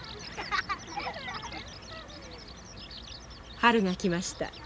春が来ました。